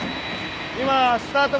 今スタート